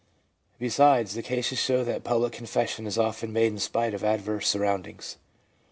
Besides, the cases show that public confession is often made in spite of adverse surroundings.